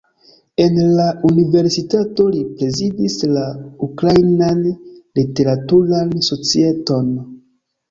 En la universitato li prezidis la Ukrainan literaturan societon.